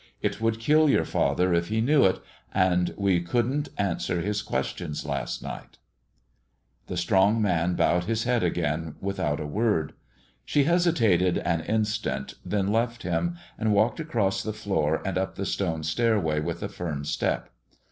It would kill your father if he knew it, and we couldn't answer his questions to night." The strong man bowed his head again, without a word. She hesitated an instant, then left him, and walked across the floor and up the stone stairway with a firm step.